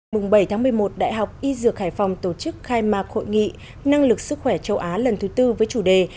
mùng bảy tháng một mươi một đại học y dược hải phòng tổ chức khai mạc hội nghị năng lực sức khỏe châu á lần thứ tư với chủ đề